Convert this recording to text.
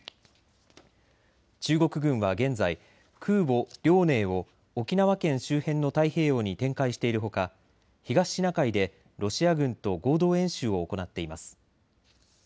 中国軍は現在、空母遼寧を沖縄県周辺の太平洋に展開しているほか、東シナ海でロシア軍と合同演習を行っています。